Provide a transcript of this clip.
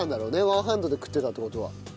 ワンハンドで食ってたって事は。